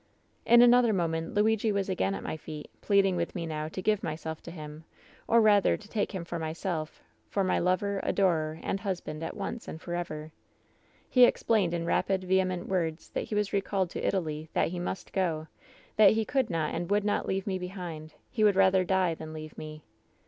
"In another moment Luigi was again at my feet, pleading with me now to give myself to him, or rather to take him for myself, for my lover, adorer and husr band at once and forever. "He explained in rapid, vehement words that he was recalled to Italy ; that he must go ; that he could not and would not leave me behind; he would rather die than leave me.